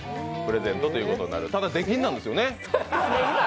プレゼントということになる、ただ出禁なんですよね。